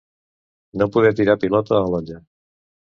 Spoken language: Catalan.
No poder tirar pilota a l'olla.